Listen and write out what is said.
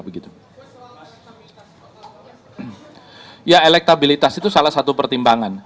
ya elektabilitas itu salah satu pertimbangan